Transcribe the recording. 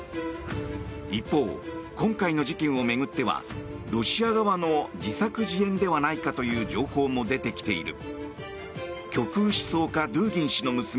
一方、今回の事件を巡ってはロシア側の自作自演ではないかという情報も出てきている。